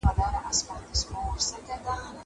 زه مخکي خبري کړي وو.